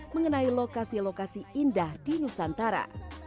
mengenai lokasi lokasi indah di nusantara